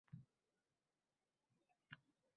o‘n yildan ko‘p ishlaganman.